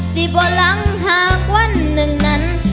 สิบวันหลังหากวันหนึ่งนั้น